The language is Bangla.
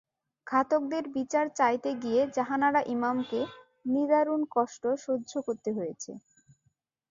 ঘাতকদের বিচার চাইতে গিয়ে জাহানারা ইমামকে নিদারুণ কষ্ট সহ্য করতে হয়েছে।